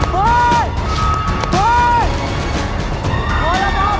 นักกายกรรม